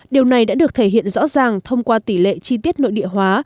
điều này đã được thể hiện rõ ràng thông qua tỷ lệ chi tiết nội địa hóa